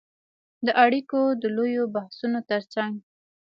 د اړیکو د لویو بحثونو ترڅنګ